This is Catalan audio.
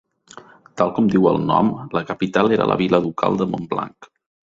Tal com diu el nom, la capital era la vila ducal de Montblanc.